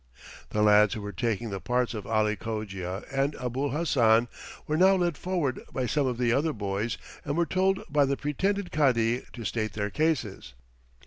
The lads who were taking the parts of Ali Cogia and Abul Hassan were now led forward by some of the other boys and were told by the pretended Cadi to state their cases.